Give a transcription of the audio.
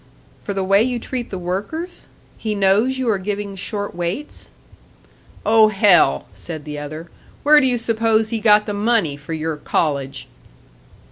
"For the way you treat the workers? He knows you are giving short weights." "Oh hell!" said the other. "Where do you suppose he got the money for your college?"